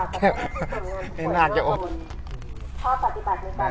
สวัสดีครับ